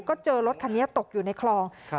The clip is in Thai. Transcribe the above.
ก็เจอรถคันนี้ตกอยู่ในคลอง